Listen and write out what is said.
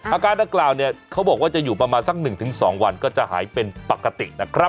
อาการดังกล่าวเนี่ยเขาบอกว่าจะอยู่ประมาณสัก๑๒วันก็จะหายเป็นปกตินะครับ